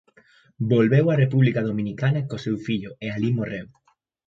Volveu á República Dominicana co seu fillo e alí morreu.